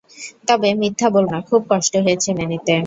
তবে মিথ্যা বলব না, খুব কষ্ট হয়েছে মেনে নিতে!